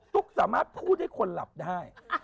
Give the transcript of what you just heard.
ตุ๊กสามารถพูดให้คนหลับได้